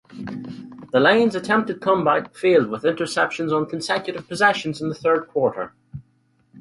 The Lions attempted comeback failed with interceptions on consecutive possessions in the third quarter.